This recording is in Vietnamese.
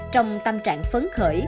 trong tâm trạng phấn khởi